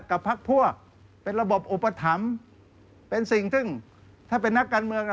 กับพลักษณ์พวกเป็นระบบอุปถัมฯเป็นสิ่งที่ถ้าเป็นนักการเมือง